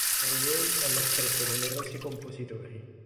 Per lei hanno scritto numerosi compositori.